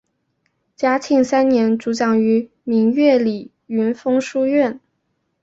嘉庆三年主讲于明月里云峰书院。